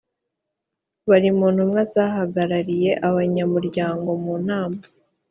Bari mu ntumwa zahagarariye abanyamuryango mu nama